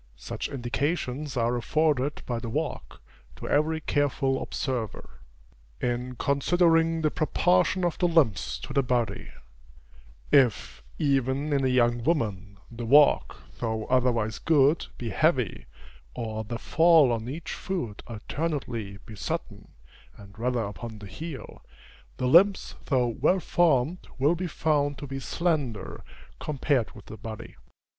Such indications are afforded by the walk, to every careful observer. In considering the proportion of the limbs to the body if, even in a young woman, the walk, though otherwise good, be heavy, or the fall on each foot alternately be sudden, and rather upon the heel, the limbs though well formed, will be found to be slender, compared with the body.